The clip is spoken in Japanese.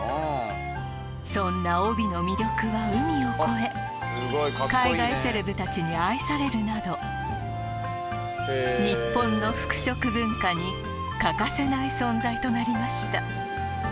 そんな帯の魅力は海を越え海外セレブたちに愛されるなど日本の服飾文化に欠かせない存在となりました